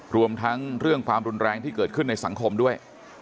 รวมทั้งเรื่องความรุนแรงที่เกิดขึ้นในสังคมด้วย